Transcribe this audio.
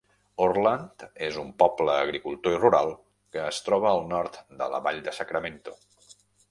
Orland és un poble agricultor i rural que es troba al nord de la vall de Sacramento.